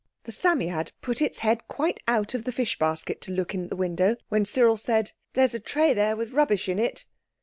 The Psammead put its head quite out of the fish basket to look in the window, when Cyril said— "There's a tray there with rubbish in it."